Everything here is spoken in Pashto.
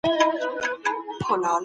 اګوست کنت د کوم ميتود پلوي و؟